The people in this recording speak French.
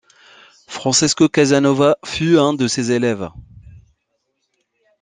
Francesco Casanova fut un de ses élèves.